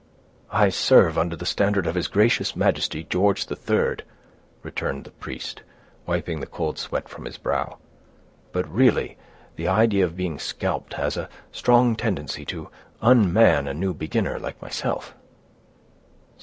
"I serve under the standard of his gracious Majesty, George III," returned the priest, wiping the cold sweat from his brow. "But really the idea of being scalped has a strong tendency to unman a new beginner, like myself."